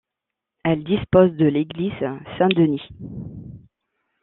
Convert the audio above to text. Elle dispose de l'église Saint-Denis.